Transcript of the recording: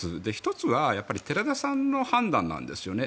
１つは寺田さんの判断なんですよね。